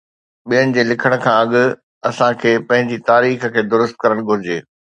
ٻين جي لکڻ کان اڳ، اسان کي پنهنجي تاريخ کي درست ڪرڻ گهرجي.